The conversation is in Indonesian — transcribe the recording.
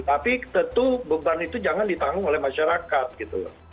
tapi tentu beban itu jangan ditanggung oleh masyarakat gitu loh